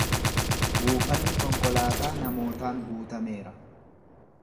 Buufanni konkolaataa namootaan guutameera.